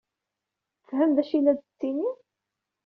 Tefhem d acu ay la d-tettini?